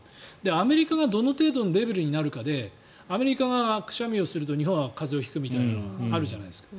アメリカがどの程度のレベルになるかでアメリカがくしゃみをすると日本が風邪を引くみたいなのがあるじゃないですか。